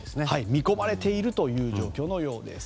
見込まれているという状況のようです。